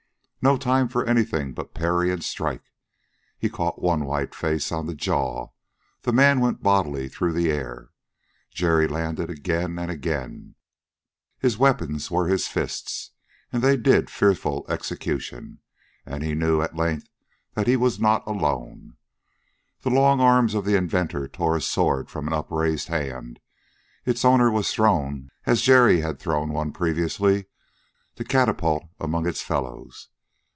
No time for anything but parry and strike. He caught one white face on the jaw; the man went bodily through the air. Jerry landed again and again. His weapons were his fists, and they did fearful execution. And he knew, at length, that he was not alone. The long arms of the inventor tore a sword from an upraised hand. Its owner was thrown, as Jerry had thrown one previously, to catapult among its fellows.